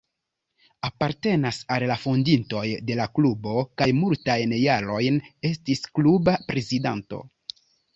Apartenas al fondintoj de la klubo kaj multajn jarojn estis kluba prezidanto.